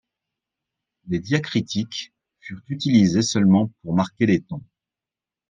Les diacritiques furent utilisées seulement pour marquer les tons.